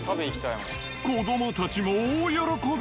子どもたちも大喜び。